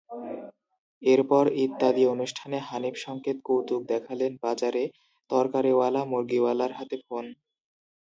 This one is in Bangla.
এরপর ইত্যাদি অনুষ্ঠানে হানিফ সংকেত কৌতুক দেখালেন, বাজারে তরকারিওয়ালা, মুরগিওয়ালার হাতে ফোন।